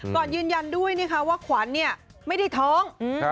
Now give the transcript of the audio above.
ก่อนยืนยันด้วยเนี่ยค่ะว่าขวัญเนี่ยไม่ได้ท้อง